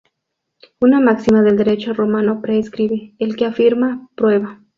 Una máxima del derecho romano prescribe: "el que afirma, prueba".